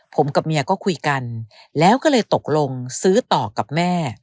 ผมกับเมียก็คุยกันแล้วก็เลยตกลงซื้อต่อกับแม่